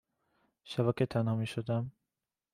شبا که تنها می شدم